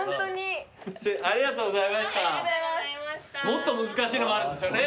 もっと難しいのもあるんですよね。